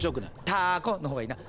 「たーこ」の方がいいな。